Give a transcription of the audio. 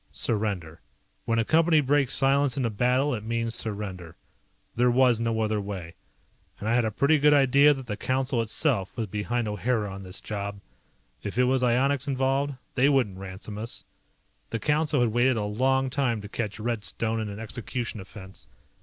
Surrender. When a Company breaks silence in a battle it means surrender. There was no other way. And I had a pretty good idea that the Council itself was behind O'Hara on this job. If it was ionics involved, they wouldn't ransom us. The Council had waited a long time to catch Red Stone in an execution offense.